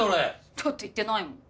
だって言ってないもん。